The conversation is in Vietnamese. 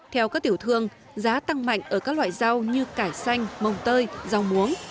theo các tiểu thương giá tăng mạnh ở các loại rau như cải xanh mồng tơi rau muống